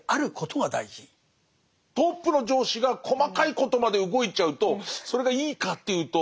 トップの上司が細かいことまで動いちゃうとそれがいいかっていうとあんま良くないですもんね。